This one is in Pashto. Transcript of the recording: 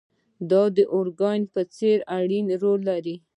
دا د ارګانونو په څېر اړين رول لري.